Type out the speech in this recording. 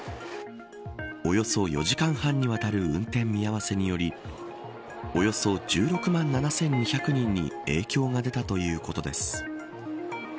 およそ４時間半にわたる運転見合わせによりおよそ１６万７２００人に影響が出たということです。